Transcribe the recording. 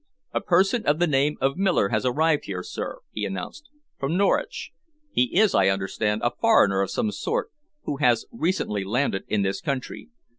"A person of the name of Miller has arrived here, sir," he announced, "from Norwich. He is, I understand, a foreigner of some sort, who has recently landed in this country.